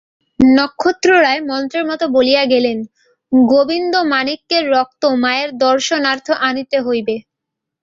নক্ষত্ররায় মন্ত্রের মতো বলিয়া গেলেন, গোবিন্দমাণিক্যের রক্ত মায়ের দর্শনার্থ আনিতে হইবে।